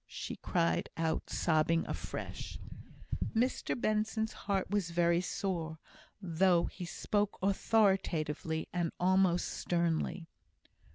she cried out, sobbing afresh. Mr Benson's heart was very sore, though he spoke authoritatively, and almost sternly.